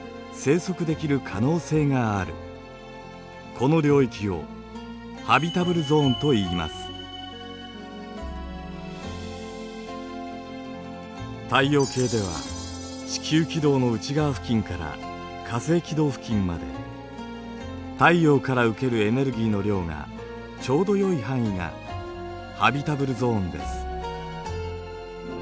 この領域を太陽系では地球軌道の内側付近から火星軌道付近まで太陽から受けるエネルギーの量がちょうどよい範囲がハビタブルゾーンです。